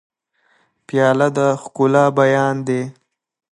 پیاله د ښکلا بیان دی.